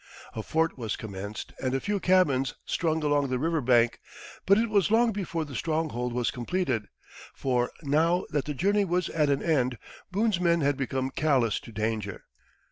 A fort was commenced, and a few cabins "strung along the river bank;" but it was long before the stronghold was completed, for, now that the journey was at an end, Boone's men had become callous to danger.